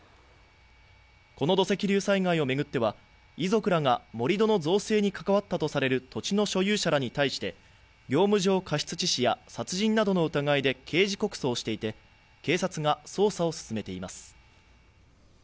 この土石流災害を巡っては、遺族らが盛り土の造成に関わったとされる盛り土の所有者らに対して業務上過失致死や殺人などの疑いで刑事告訴をしていて、警察が捜査を進めています。